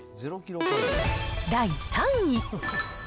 第３位。